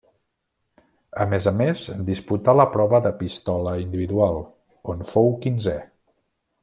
A més a més disputà la prova de pistola individual, on fou quinzè.